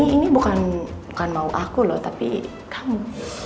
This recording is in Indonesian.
ini bukan mau aku loh tapi kamu